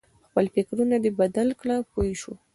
خپل فکرونه دې بدل کړه پوه شوې!.